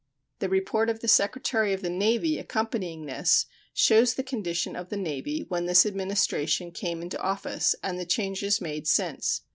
The report of the Secretary of the Navy accompanying this shows the condition of the Navy when this Administration came into office and the changes made since.